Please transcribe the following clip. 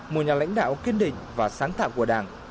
một nhà lãnh đạo kiên định và sáng tạo của đảng